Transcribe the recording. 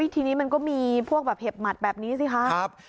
ทีนี้มันก็มีพวกแบบเห็บหมัดแบบนี้สิครับ